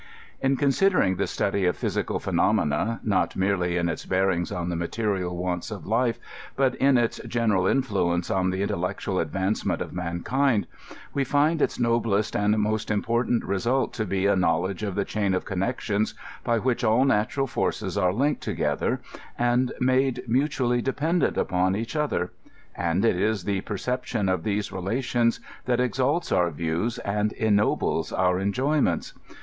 In considering the study of physical phenomena, not mere ly in its bearings cm the matenal wants of life, but in its gen eral influence on the intellectual advancement of mankind, we find its noblest and most important result to be a knowl edge of the chain of connection, by which all natural forces are linked together, and made mutually dependent upon each other ; and it is the perception of these relations that exalts our views and ennobles our enjoyments.